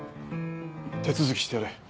手続きしてやれ。